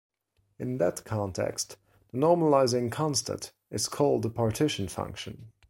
In that context, the normalizing constant is called the partition function.